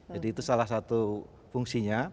jadi itu salah satu fungsinya